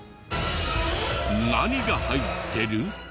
何が入ってる？